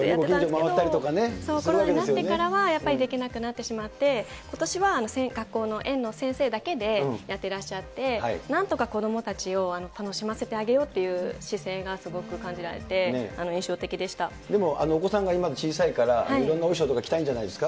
コロナになってからはやっぱりできなくなってしまって、ことしは学校の園の先生だけでやってらっしゃって、なんとか子どもたちを楽しませてあげようという姿勢がすごく感じお子さんが今小さいから、いろんなお衣装とか着たいんじゃないですか。